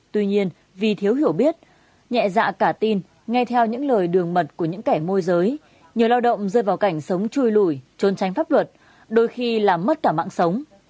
tuy nhiên vì thiếu hiểu biết nhẹ dạ cả tin nghe theo những lời đường mật của những kẻ môi giới nhiều lao động rơi vào cảnh sống chui lủi trốn tránh pháp luật đôi khi làm mất cả mạng sống